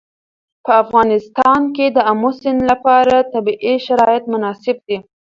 په افغانستان کې د آمو سیند لپاره طبیعي شرایط مناسب دي.